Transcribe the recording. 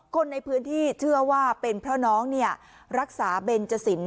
คนในพื้นที่เชื่อว่าเป็นเพราะน้องรักษาเบนจสิน